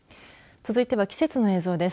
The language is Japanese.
続いては季節の映像です。